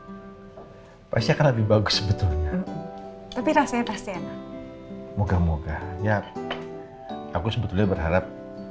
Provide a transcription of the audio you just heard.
hai pasti akan lebih bagus sebetulnya tapi rasanya pasti enak moga moga ya aku sebetulnya berharap